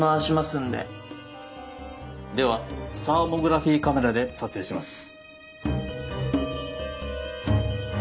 ではサーモグラフィーカメラで撮影します。